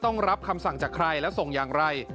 ต้องรับคำสั่งจากใครและส่งอย่างไร